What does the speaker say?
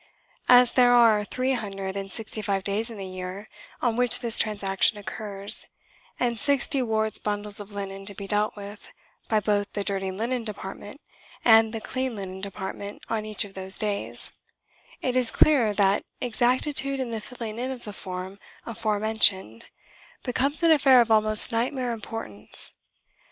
As there are three hundred and sixty five days in the year on which this transaction occurs, and sixty wards' bundles of linen to be dealt with by both the Dirty Linen Department and the Clean Linen Department on each of those days, it is clear that exactitude in the filling in of the form aforementioned becomes an affair of almost nightmare importance.